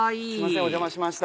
お邪魔しました。